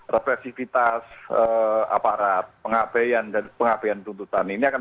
reflexivitas aparat pengabaian dan pengabaian tuntutan ini akan berubah